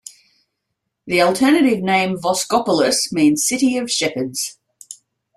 The alternative name "Voskopolis" means "City of shepherds".